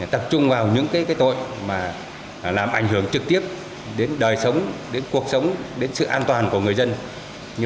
tập trung vào những tội làm ảnh hưởng trực tiếp đến đời sống đến cuộc sống đến sự an toàn của người dân